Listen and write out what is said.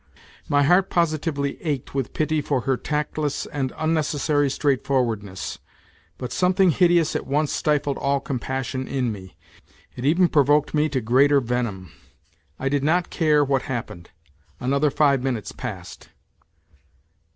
My heart positively ached with pity for her tactless and unnecessary straightforwardness. But something hideous at once stifled all compassion in me ; it even provoked me to greater venom. I did not care what happened. Another five minutes passed.